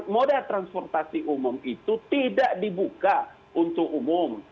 moda transportasi umum itu tidak dibuka untuk umum